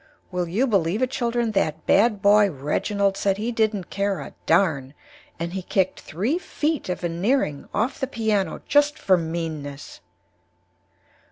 Will you Believe it, Children, that Bad boy Reginald said he didn't Care a Darn and he Kicked three Feet of Veneering off the Piano just for Meanness.